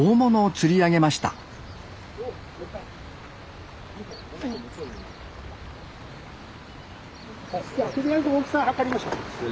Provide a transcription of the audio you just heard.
とりあえず大きさ測りましょう。